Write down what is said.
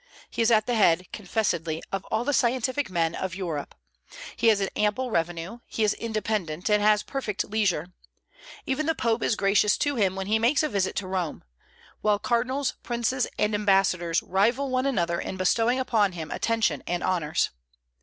He is at the head, confessedly, of all the scientific men of Europe. He has an ample revenue; he is independent, and has perfect leisure. Even the Pope is gracious to him when he makes a visit to Rome; while cardinals, princes, and ambassadors rival one another in bestowing upon him attention and honors.